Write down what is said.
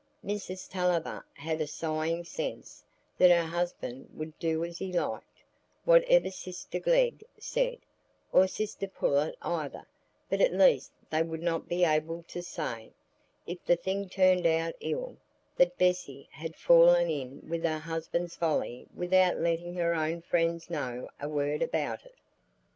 Mrs Tulliver had a sighing sense that her husband would do as he liked, whatever sister Glegg said, or sister Pullet either; but at least they would not be able to say, if the thing turned out ill, that Bessy had fallen in with her husband's folly without letting her own friends know a word about it.